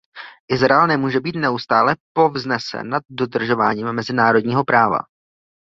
Izrael nemůže být neustále povznesen nad dodržováním mezinárodního práva.